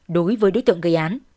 đối với đối tượng gây án